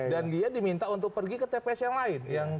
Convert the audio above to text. dan dia diminta untuk pergi ke tps yang lain